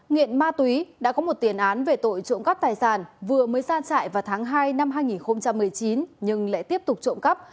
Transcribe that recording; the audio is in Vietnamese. nghiện ma túy đã có một tiền án về tội trộm cắp tài sản vừa mới ra chạy vào tháng hai năm hai nghìn một mươi chín nhưng lại tiếp tục trộm cắp